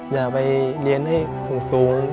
อย่าไปเรียนให้สูง